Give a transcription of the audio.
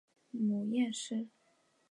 母阎氏。